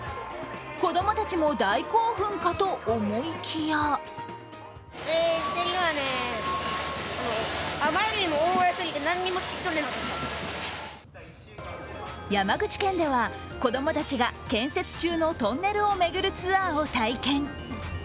子供たちも大興奮かと思いきや山口県では、子供たちが建設中のトンネルを巡るツアーを体験。